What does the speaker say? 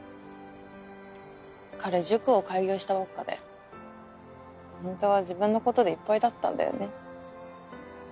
彼塾を開業したばっかでほんとは自分のことでいっぱいだったんだよね。